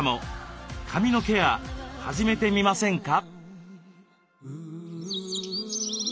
髪のケア始めてみませんか？